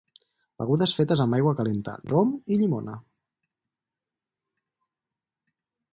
Begudes fetes amb aigua calenta, rom i llimona.